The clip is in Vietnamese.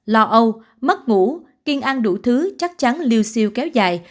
lo âu mất ngủ kiên ăn đủ thứ chắc chắn lưu siêu kéo dài